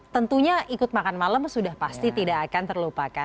tentunya ikut makan malam sudah pasti tidak akan terlupakan